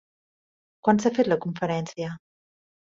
Quan s'ha fet la conferència?